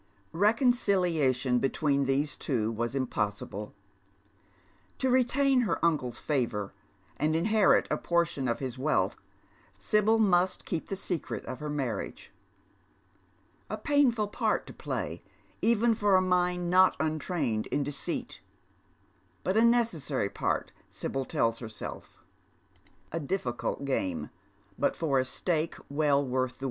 Keconciliation between these two was impossible. To retain her uncle's favour and inherit a portion of his wealth, Sibyl must keep the secret of her marriage. A painful part to play even for a mind not untrained in deceit ; but a necessary part, Sibyl tells herself. A difficult game, but for a stake well worth tha v.